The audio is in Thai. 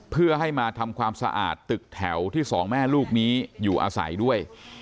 เพื่อให้มาทำความสะอาดตึกแถวที่สองแม่ลูกนี้อยู่อาศัยด้วย